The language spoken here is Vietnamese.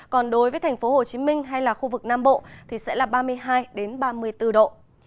còn đối với thành phố hồ chí minh hay là khu vực nam bộ thì sẽ là ba mươi hai ba mươi bốn độ